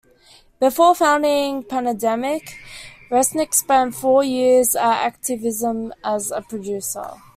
Before founding Pandemic, Resnick spent four years at Activision as a producer.